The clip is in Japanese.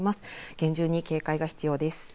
厳重に警戒が必要です。